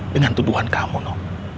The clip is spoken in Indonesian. dengan tuduhan kamu no